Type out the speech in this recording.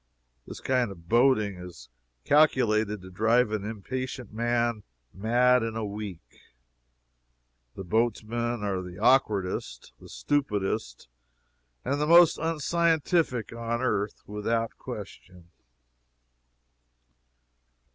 This kind of boating is calculated to drive an impatient man mad in a week. The boatmen are the awkwardest, the stupidest, and the most unscientific on earth, without question.